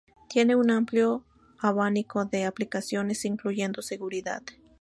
Tiene un amplio abanico de aplicaciones incluyendo seguridad.